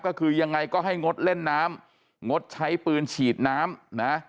ก็คือยังไงก็ให้งดเล่นน้ำงดใช้ปืนฉีดน้ำนะ